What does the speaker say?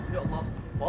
ya allah poh